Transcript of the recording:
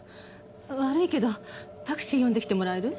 悪いけどタクシー呼んできてもらえる？